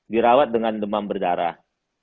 dirawat dengan demam berdarah